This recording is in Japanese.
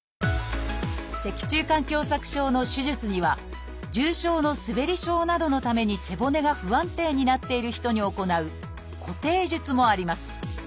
脊柱管狭窄症の手術には重症のすべり症などのために背骨が不安定になっている人に行う「固定術」もあります。